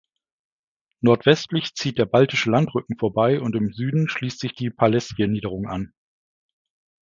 Nordwestlich zieht der Baltische Landrücken vorbei und im Süden schließt sich die Palessje-Niederung an.